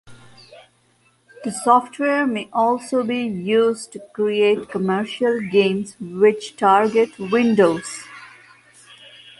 The software may also be used to create commercial games which target Windows.